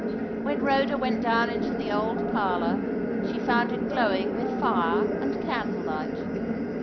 When Rhoda went down into the old parlour, she found it glowing with fire and candle light.